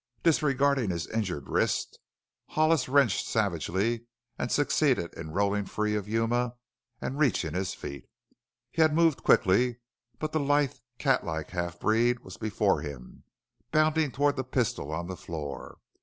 Disregarding his injured wrist, Hollis wrenched savagely and succeeded in rolling free of Yuma and reaching his feet. He had moved quickly, but the lithe, cat like half breed was before him, bounding toward the pistol on the floor.